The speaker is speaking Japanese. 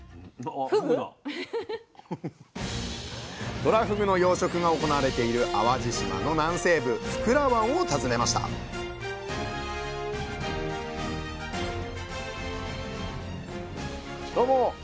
とらふぐの養殖が行われている淡路島の南西部福良湾を訪ねましたどうも。